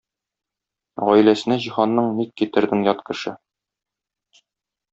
Гаиләсенә җиһанның ник китердең ят кеше?!